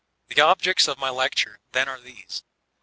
The objects of my lecture then are these; 1.